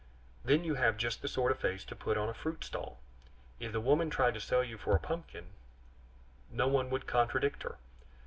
Then you have just the sort of face to put on a fruit stall; if the woman tried to sell you for a pumpkin, no one would contradict her.